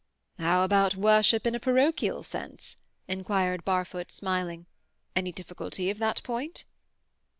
"How about worship in a parochial sense?" inquired Barfoot, smiling. "Any difficulty of that point?"